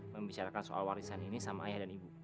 membicarakan soal warisan ini sama ayah dan ibu